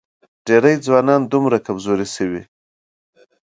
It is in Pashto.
ډېری ځوانان دومره کمزوري شوي